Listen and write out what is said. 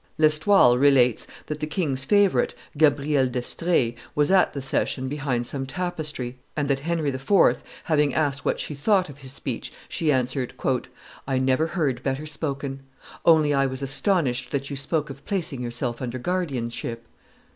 L'Estoile relates that the king's favorite, Gabrielle d'Estrees, was at the session behind some tapestry, and that, Henry IV. having asked what she thought of his speech, she answered, "I never heard better spoken; only I was astonished that you spoke of placing yourself under guardianship."